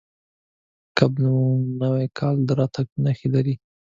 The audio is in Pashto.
کب د نوي کال د راتګ نښې لري.